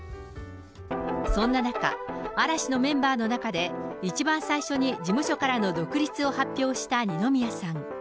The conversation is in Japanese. そんな中、嵐のメンバーの中で、一番最初に事務所からの独立を発表した二宮さん。